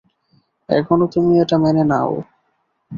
এখনও তুমি এটা মেনে নাও।